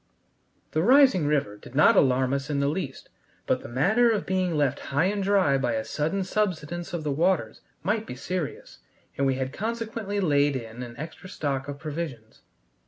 The rising river did not alarm us in the least, but the matter of being left high and dry by a sudden subsidence of the waters might be serious, and we had consequently laid in an extra stock of provisions.